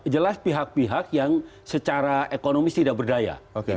jelas pihak pihak yang secara ekonomis tidak berdaya